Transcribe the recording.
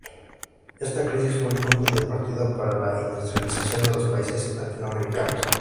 Esta crisis fue el punto de partida para la industrialización de los países latinoamericanos.